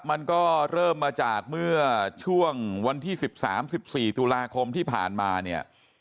มันก็เริ่มมาจากเมื่อช่วงวันที่๑๓๑๔ตุลาคมที่ผ่านมาเนี่ย